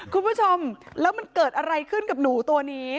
คุณผู้ชมแล้วมันเกิดอะไรขึ้นกับหนูตัวนี้